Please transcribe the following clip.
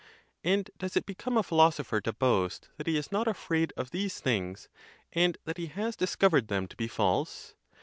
And does it become a philosopher to boast that he is not afraid of these things, and that he has discovered them to be false?